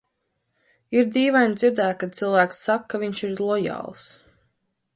Ir dīvaini dzirdēt, kad cilvēks saka, ka viņš ir lojāls.